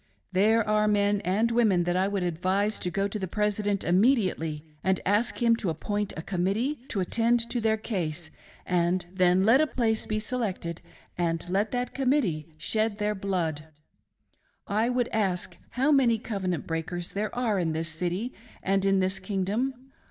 " There are men and women that I would advise to go to the President imme diately, and ask him to appoint a committee to attend to their case ; and then let a place be selected, and let that committee shed their blood. ..,< "I would ask how many covenant breakers there are in this city and in this kingdom?